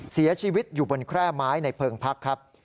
เสียชีวิตอยู่บนแคร่ไม้ในเพลิงพักครับ